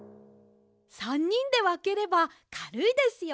３にんでわければかるいですよ。